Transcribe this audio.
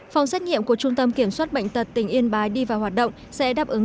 phòng xét nghiệm của trung tâm kiểm soát bệnh tật tỉnh yên bái đi vào hoạt động sẽ đáp ứng